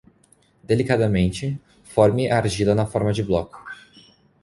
Delicadamente, forme a argila na forma de bloco.